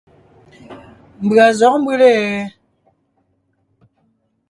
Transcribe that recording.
Mbʉ̀a zɔ̌g mbʉ́le ?